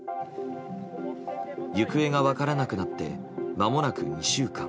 行方が分からなくなってまもなく２週間。